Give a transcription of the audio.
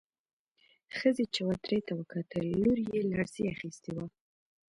ښځې چوترې ته وکتل، لور يې لړزې اخيستې وه.